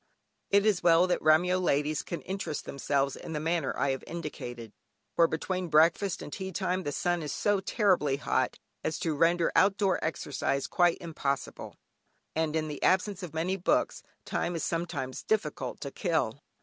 It is well that the Remyo ladies can interest themselves in the manner I have indicated, for between breakfast and tea time the sun is so terribly hot, as to render out door exercise quite impossible, and in the absence of many books time is sometimes difficult to kill.